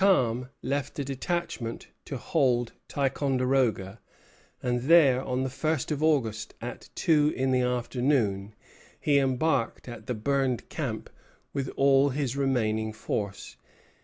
Montcalm left a detachment to hold Ticonderoga; and then, on the first of August, at two in the afternoon, he embarked at the Burned Camp with all his remaining force.